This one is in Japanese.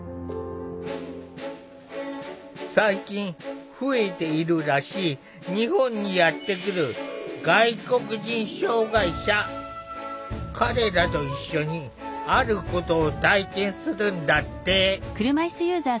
最近増えているらしい日本にやって来る彼らと一緒にあることを体験するんだって。